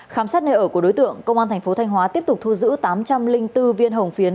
khám sát nơi ở của đối tượng công an tp thanh hóa tiếp tục thu giữ tám trăm linh bốn viên hồng phiến